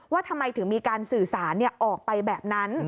ว่าทำไมถึงมีการสื่อสารออกไปแบบนั้น